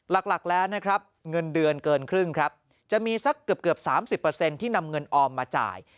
หลักแล้วนะครับเงินเดือนเกินครึ่งครับจะมีสักเกือบ๓๐ที่นำเงินออมมาจ่าย